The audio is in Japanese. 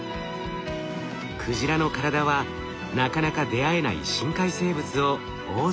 クジラの体はなかなか出会えない深海生物を大勢呼び寄せます。